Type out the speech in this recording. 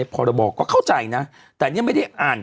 พรบก็เข้าใจนะแต่นี่ไม่ได้อ่าน